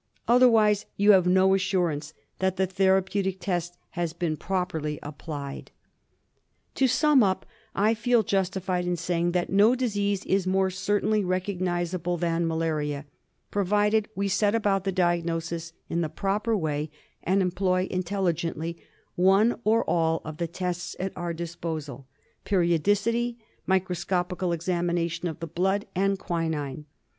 Otherwise you have no assurance that the therapeutic test has been properly applied. DIAGNOSIS OF MALARIA. 1 67 To sum up, I feel justified in saying that no disease is more certainly recognisable than malaria, provided we set about the diagnosis in the proper way and employ intelli gently one or all of the tests at our disposal — periodicity, microscopical examination of the blood, and quinine.